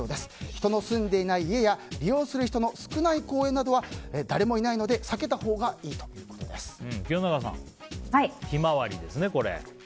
人の住んでいない家や利用する人の少ない公園は誰もいないので避けたほうが清永さん、「ひまわり」ですね。